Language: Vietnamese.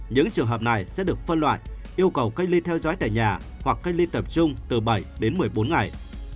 những trường hợp này sẽ được phân loại yêu cầu cách ly theo dõi tại nhà hoặc cách ly tập trung từ bảy đến một mươi bốn ngày